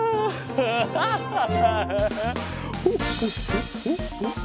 ハハハハハ。